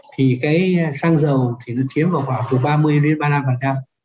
thì cái xăng dầu thì nó chiếm vào khoảng của ba mươi ba mươi năm